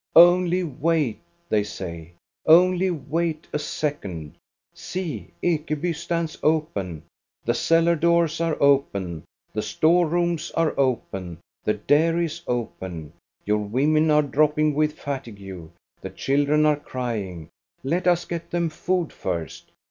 "Only wait," they say; "only wait a second. See, Ekeby stands open. The cellar doors are open ; the store rooms are open; the dairy is open. Your women are dropping with fatigue; the children are crying. Let us get them food first!